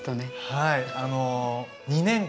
はい。